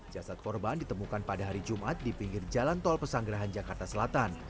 jasad korban ditemukan pada hari jumat di pinggir jalan tol pesanggerahan jakarta selatan